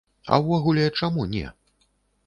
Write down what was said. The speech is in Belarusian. А ўвогуле, чаму не?